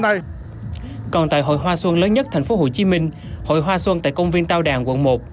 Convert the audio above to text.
này còn tại hội hoa xuân lớn nhất thành phố hồ chí minh hội hoa xuân tại công viên tao đàn quận một